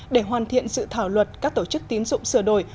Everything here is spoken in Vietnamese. để hoàn thiện dự thảo luật các tổ chức tín dụng sửa đổi